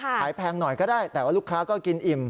แพงหน่อยก็ได้แต่ว่าลูกค้าก็กินอิ่ม